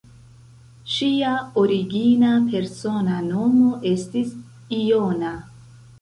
Ŝia origina persona nomo estis "Ilona".